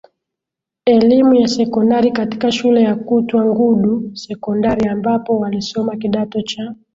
elimu ya Sekondari katika shule ya kutwa ya Ngudu Sekondariambapo alisoma kidato cha